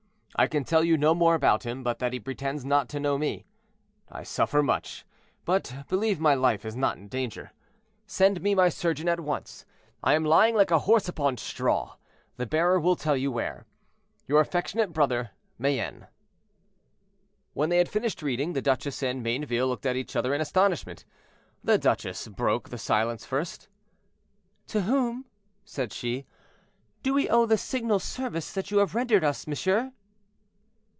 "I can tell you no more about him, but that he pretends not to know me. I suffer much, but believe my life is not in danger. Send me my surgeon at once; I am lying like a horse upon straw, the bearer will tell you where. "Your affectionate brother, "MAYENNE." When they had finished reading, the duchess and Mayneville looked at each other in astonishment. The duchess broke the silence first. "To whom," said she, "do we owe the signal service that you have rendered us, monsieur?"